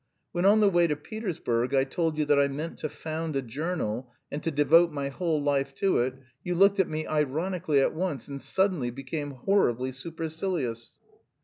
When on the way to Petersburg I told you that I meant to found a journal and to devote my whole life to it, you looked at me ironically at once, and suddenly became horribly supercilious."